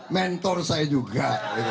mentor saya juga